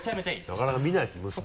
なかなか見ないですもんね